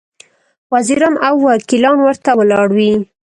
وزیران او وکیلان ورته ولاړ وي.